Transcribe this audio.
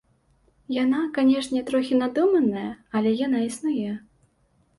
Яна, канешне, трохі надуманая, але яна існуе.